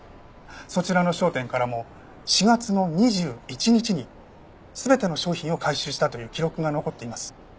そちらの商店からも４月の２１日に全ての商品を回収したという記録が残っています。